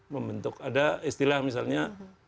membentuk ada istilah misalnya